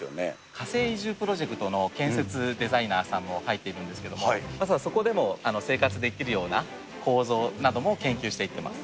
火星移住プロジェクトの建設デザイナーさんも入ってるんですけれども、まずはそこでも生活できるような構造なども研究していってます。